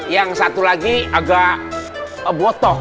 yang satu lagi agak botoh